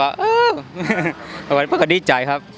ก็อ่ะชอบครับวดดีใจครับ